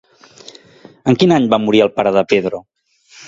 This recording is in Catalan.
En quin any va morir el pare de Pedro?